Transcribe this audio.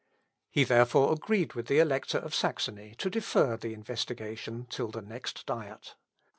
He therefore agreed with the Elector of Saxony to defer the investigation till the next diet.